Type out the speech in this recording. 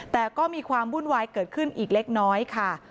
แต่ก็มีความวุ่นวายเกิดขึ้นอีกเล็กน้อยค่ะ